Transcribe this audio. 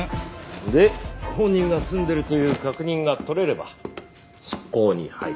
で本人が住んでるという確認が取れれば執行に入る。